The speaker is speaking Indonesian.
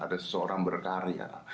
ada seseorang berkarya